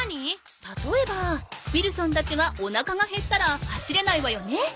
たとえばウィルソンたちはおなかがへったら走れないわよね？